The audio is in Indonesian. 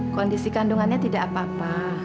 kondisi kandungannya tidak apa apa